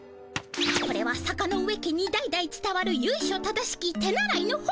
これは坂ノ上家に代々つたわるゆいしょ正しき手習いの本。